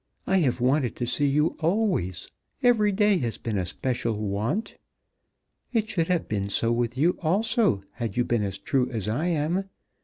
I have wanted to see you always. Every day has been a special want. It should have been so with you also had you been as true as I am.